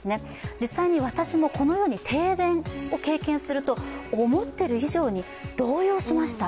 実際に私もこのように停電を経験すると思っている以上に動揺しました、